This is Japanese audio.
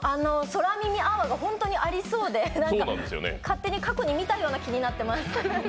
「空耳アワー」が本当にありそうで、勝手に過去に見たような気になっています。